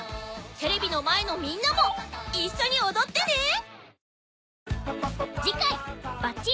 テレビの前のみんなも一緒に踊ってね！